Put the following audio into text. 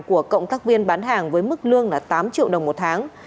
của cộng tác viên bán hàng với mức lương tám triệu đồng một tháng